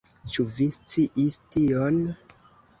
Ĉu vi sciis tion?